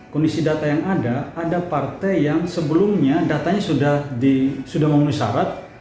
kondisi data yang ada ada partai yang sebelumnya datanya sudah memenuhi syarat